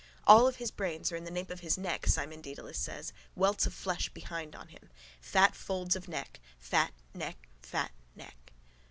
All his brains are in the nape of his neck, Simon Dedalus says. Welts of flesh behind on him. Fat folds of neck, fat, neck, fat, neck.